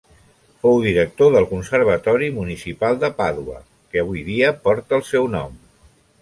Fou director del Conservatori Municipal de Pàdua que avui dia porta el seu nom.